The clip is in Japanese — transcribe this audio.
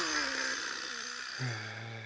へえ。